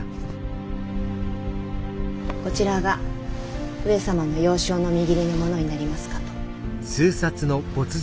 こちらが上様の幼少のみぎりのものになりますかと。